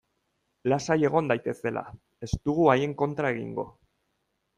Lasai egon daitezela, ez dugu haien kontra egingo.